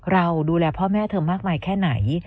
เราดูแลพ่อแม่เธอมากมายแค่ไหน